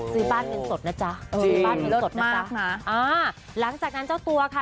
ซื้อบ้านเงินสดนะจ๊ะเออซื้อบ้านเงินสดนะจ๊ะนะอ่าหลังจากนั้นเจ้าตัวค่ะ